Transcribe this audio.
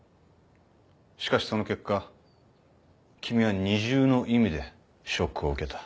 しかしその結果君は二重の意味でショックを受けた。